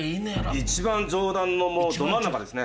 一番上段のもうど真ん中ですね。